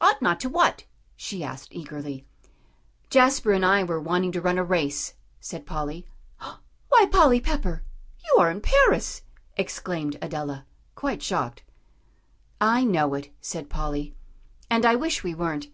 "Ought not to what?" she asked eagerly. "Jasper and I were wanting to run a race," said Polly. "Why, Polly Pepper! You are in Paris!" exclaimed Adela, quite shocked. "I know it," said Polly, "and I wish we weren't.